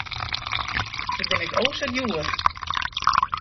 Se binne ek o sa djoer.